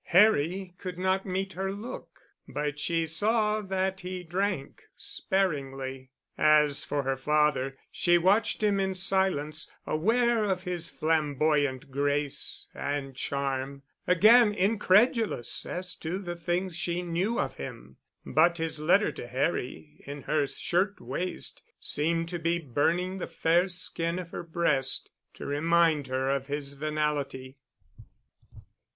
Harry could not meet her look, but she saw that he drank sparingly. As for her father, she watched him in silence, aware of his flamboyant grace and charm, again incredulous as to the things she knew of him. But his letter to Harry in her shirtwaist seemed to be burning the fair skin of her breast to remind her of his venality.